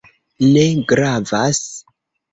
Ne gravas